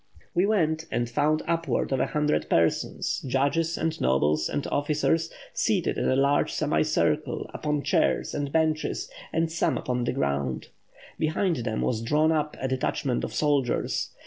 "We went, and found upwards of a hundred persons, judges and nobles and officers, seated in a large semi circle upon chairs and benches, and some upon the ground. Behind them was drawn up a detachment of soldiers.